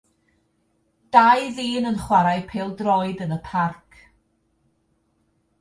Dau ddyn yn chwarae pêl-droed yn y parc.